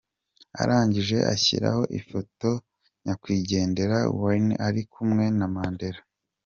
Arangije ashyiraho ifoto ya nyakwigendera Whitney ari kumwe na Mandela.